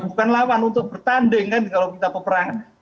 bukan lawan untuk bertanding kan kalau kita peperangan